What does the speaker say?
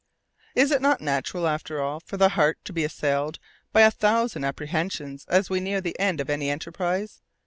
Is it not natural, after all, for the heart to be assailed by a thousand apprehensions as we near the end of any enterprise?